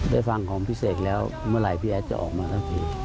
ได้ฟังของพี่เสกแล้วเมื่อไหร่พี่แอดจะออกมาสักที